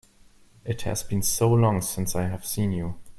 It has been so long since I have seen you!